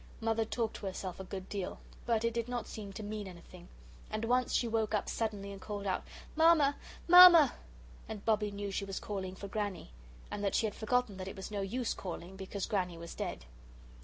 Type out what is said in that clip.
Mother talked to herself a good deal, but it did not seem to mean anything. And once she woke up suddenly and called out: "Mamma, mamma!" and Bobbie knew she was calling for Granny, and that she had forgotten that it was no use calling, because Granny was dead.